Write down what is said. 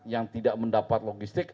yang tidak mendapat logistik